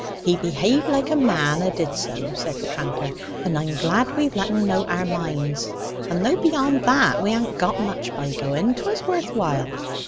"He behaved like a man, 'a did so," said the tranter. "And I'm glad we've let en know our minds. And though, beyond that, we ha'n't got much by going, 'twas worth while.